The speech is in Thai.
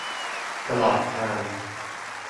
ตลอดกาล